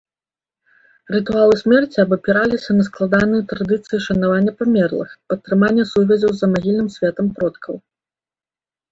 Рытуалы смерці абапіраліся на складаныя традыцыі шанавання памерлых, падтрымання сувязяў з замагільным светам продкаў.